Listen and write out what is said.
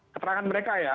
keterangan mereka ya